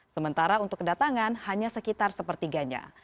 sementara untuk kedatangan hanya sekitar sepertiganya